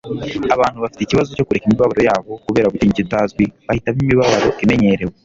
abantu bafite ikibazo cyo kureka imibabaro yabo. kubera gutinya ikitazwi, bahitamo imibabaro imenyerewe